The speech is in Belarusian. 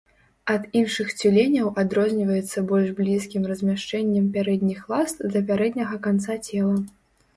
Ад іншых цюленяў адрозніваецца больш блізкім размяшчэннем пярэдніх ласт да пярэдняга канца цела.